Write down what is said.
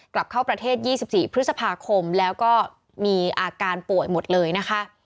กลับเข้าประเทศ๒๔พฤษภาคมแล้วก็มีอาการป่วยหมดเลยนะคะ